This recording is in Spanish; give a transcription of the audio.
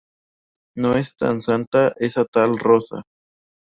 No es tan Santa esa tal Rosa.